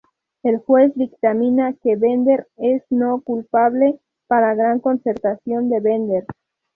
El juez dictamina que Bender es no culpable, para gran consternación de Bender.